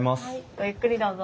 ごゆっくりどうぞ。